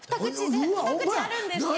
２口あるんですけど。